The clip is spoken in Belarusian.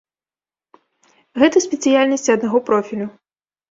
Гэта спецыяльнасці аднаго профілю.